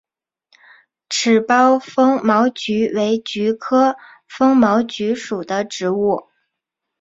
齿苞风毛菊为菊科风毛菊属的植物。